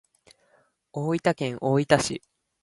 大分県大分市